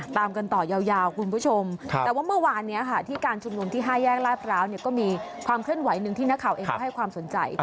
ตามกันต่อยาวคุณผู้ชมแต่ว่าเมื่อวานนี้ค่ะที่การชุมนุมที่๕แยกลาดพร้าวก็มีความเคลื่อนไหวหนึ่งที่นักข่าวเองก็ให้ความสนใจ